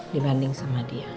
dibanding sama dia